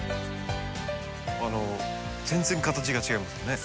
あの全然形が違いますよね。